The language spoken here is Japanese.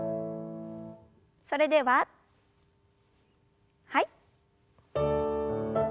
それでははい。